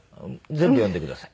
全部読んでください。